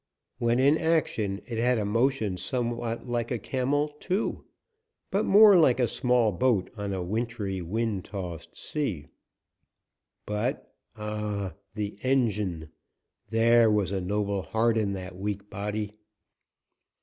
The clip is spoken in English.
When in action it had a motion somewhat like a camel, too, but more like a small boat on a wintry, wind tossed sea. But, ah! the engine! There was a noble heart in that weak body!